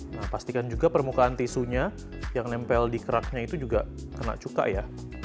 nah pastikan juga permukaan tisunya yang nempel di keraknya itu juga kena cuka ya